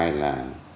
thứ hai là